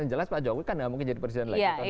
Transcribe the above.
yang jelas pak jokowi kan gak mungkin jadi presiden lagi